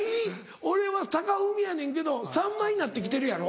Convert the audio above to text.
俺はタカフミやねんけどさんまになって来てるやろ？